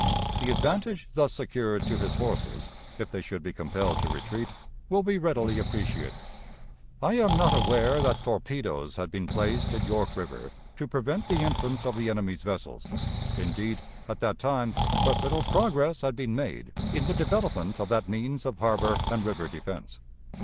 The advantage thus secured to his forces, if they should be compelled to retreat, will be readily appreciated. I am not aware that torpedoes had been placed in York River to prevent the entrance of the enemy's vessels; indeed, at that time, but little progress had been made in the development of that means of harbor and river defense.